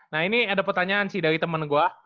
nah ini ada pertanyaan sih dari temen gue